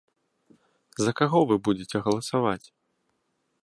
За каго вы будзеце галасаваць?